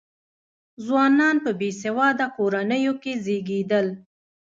ځوانان په بې سواده کورنیو کې زېږېدل.